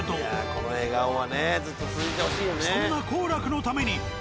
この笑顔はねずっと続いてほしいよね。